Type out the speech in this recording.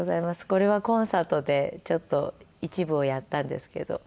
これはコンサートでちょっと一部をやったんですけど。